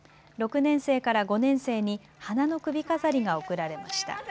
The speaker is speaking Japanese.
６年生から５年生に花の首飾りが贈られました。